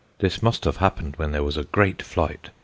This must have happened when there was a great flight.